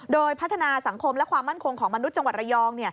โดยพัฒนาสังคมและความมั่นคงของมนุษย์จังหวัดระยอง